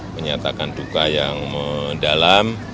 menyatakan duka yang mendalam